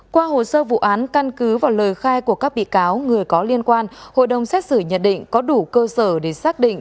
qua hồ sơ vụ án căn cứ vào lời khai của các bị cáo người có liên quan hội đồng xét xử nhận định có đủ cơ sở để xác định